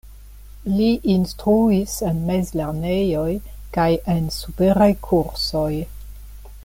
Li instruis en mezlernejoj kaj en superaj kursoj.